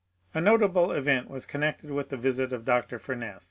A notable event was connected with the visit of Dr. Furness.